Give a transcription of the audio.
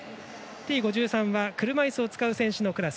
Ｔ５３は車いすを使う選手のクラス。